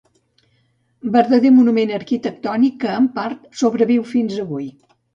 Verdader monument arquitectònic, que en part sobreviu fins avui.